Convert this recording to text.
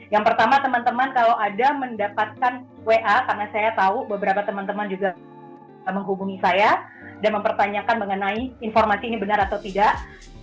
yang pertama teman teman kalau ada mendapatkan wa karena saya tahu beberapa teman teman juga menghubungi saya dan mempertanyakan mengenai informasi ini benar atau tidak